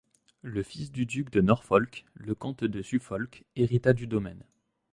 Le fils du duc de Norfolk, le comte de Suffolk, hérita du domaine.